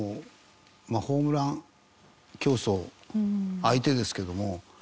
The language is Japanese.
ホームラン競争相手ですけども。